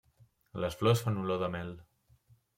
Les flors fan olor de mel.